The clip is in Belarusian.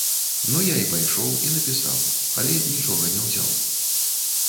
Ну я і пайшоў, і напісаў, але нічога не ўзяў.